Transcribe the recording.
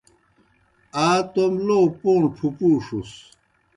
آ توْم لو پوݨوْ پُھپُوݜُس۔